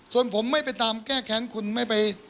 ส่วนผมไม่ไปตามแก้แค้นคุณไม่ไป